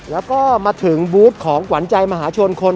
แล้วก็มาถึงบูธของขวัญใจมหาชนคน